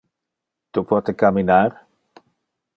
Tu pote camminar?